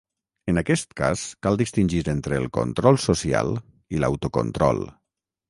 En aquest cas cal distingir entre el control social i l'autocontrol.